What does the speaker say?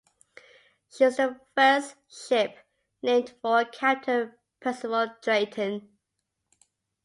She was the first ship named for Captain Percival Drayton.